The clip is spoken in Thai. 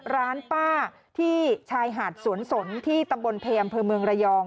ร้านป้าที่ชายหาดสวนสนที่ตำบลเพอำเภอเมืองระยอง